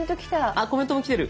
あっコメントも来てる。